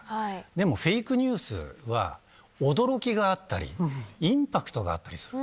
でもフェイクニュースは、驚きがあったり、インパクトがあったりする。